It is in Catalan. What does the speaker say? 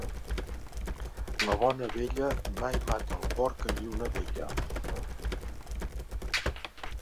La bona vella mai mata el porc en lluna vella.